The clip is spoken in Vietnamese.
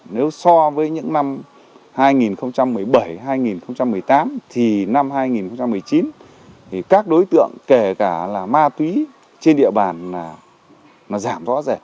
nếu so với những năm hai nghìn một mươi bảy hai nghìn một mươi tám thì năm hai nghìn một mươi chín thì các đối tượng kể cả là ma túy trên địa bàn giảm rõ rệt